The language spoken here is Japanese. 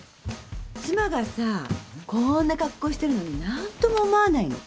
妻がさこんな格好してるのに何とも思わないの？